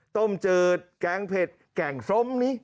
ต้มจืดแกงเผ็ดแกงส้มนี้